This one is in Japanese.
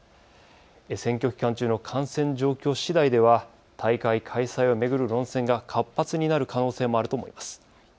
選挙期間中の感染状況しだいでは大会開催を巡る論戦が活発になる可能性もあると思います。